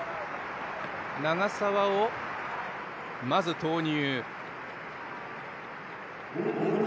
長沢をまず投入。